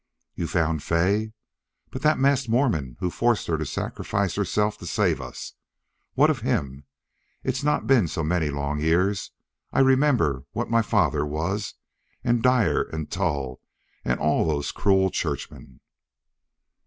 "You found Fay? But that masked Mormon who forced her to sacrifice herself to save us!... What of him? It's not been so many long years I remember what my father was and Dyer and Tull all those cruel churchmen."